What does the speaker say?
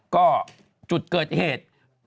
ก็จุดเกิดเหตุ